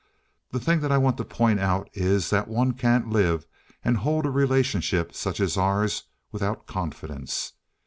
The thing that I want to point out is that one can't live and hold a relationship such as ours without confidence.